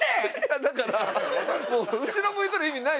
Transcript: だからもう後ろ向いたら意味ないのよ。